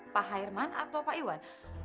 pak hairman atau pak iwan